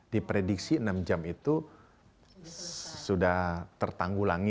diprediksi enam jam itu sudah tertanggul tanggul